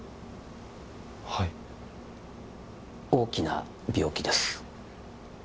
はい大きな病気です